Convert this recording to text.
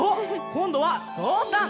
こんどはぞうさん！